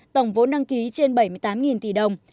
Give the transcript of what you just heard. tổng vốn đăng ký trên bảy mươi tám tỷ đồng